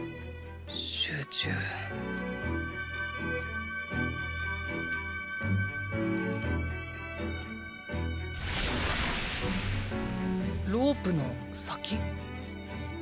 集中ロープの先？